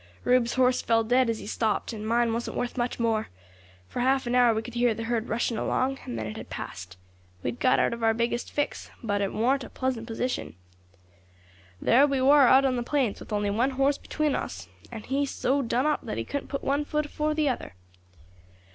"Rube's horse fell dead as he stopped, and mine wasn't worth much more. For half an hour we could hear the herd rushing along, and then it had passed. We had got out of our biggest fix, but it warn't a pleasant position. "There we war out on the plains, with only one horse between us, and he so done up that he couldn't put one foot afore the other.